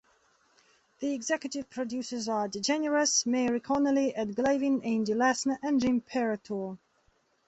The executive producers are DeGeneres, Mary Connelly, Ed Glavin, Andy Lassner and Jim Paratore.